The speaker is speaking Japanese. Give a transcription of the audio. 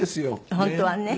本当はね。